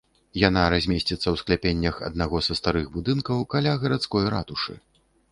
Яна размесціцца ў скляпеннях аднаго са старых будынкаў каля гарадской ратушы.